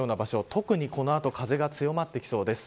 特に、この後風が強まってきそうです。